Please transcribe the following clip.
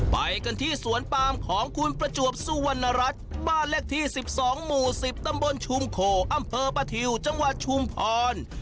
ไปกันที่สวนปามของคุณประจวบสุวรรณรัฐบ้านเลขที่๑๒หมู่๑๐ตำบลชุมโคอำเภอประทิวจังหวัดชุมพร